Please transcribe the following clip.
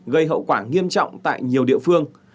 gây hậu quả nghiêm trọng tại nhiều địa phương